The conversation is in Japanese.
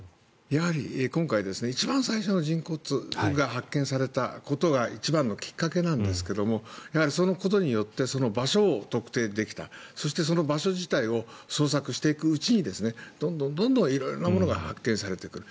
やはり今回、一番最初の人骨が発見されたことが一番のきっかけなんですがそのことによってその場所を特定できたそして、その場所自体を捜索していくうちにどんどん色々なものが発見されてくる。